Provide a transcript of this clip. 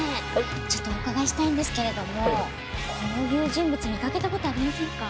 ちょっとお伺いしたいんですけれどもこういう人物見かけた事ありませんか？